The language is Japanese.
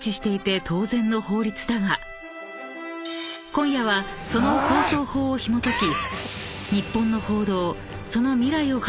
［今夜はその放送法をひもとき］